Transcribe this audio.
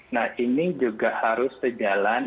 nah ini juga harus sejalan